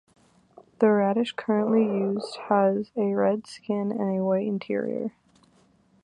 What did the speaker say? The radish currently used has a red skin and a white interior.